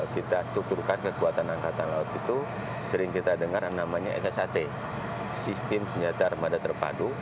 kita strukturkan kekuatan angkatan laut itu sering kita dengar namanya ssat sistem senjata armada terpadu